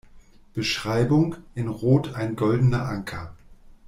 Beschreibung: In Rot ein goldener Anker.